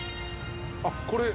あっこれ。